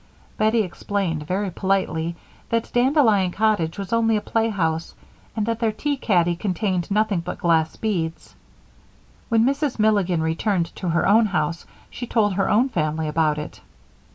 Bettie explained, very politely, that Dandelion Cottage was only a playhouse, and that their tea caddy contained nothing but glass beads. When Mrs. Milligan returned to her own house, she told her own family about it.